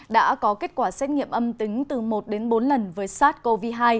đã có kết quả xét nghiệm âm tính từ một đến bốn lần với sars cov hai